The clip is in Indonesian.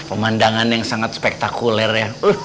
pemandangan yang sangat spektakuler ya